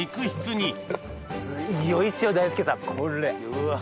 うわ。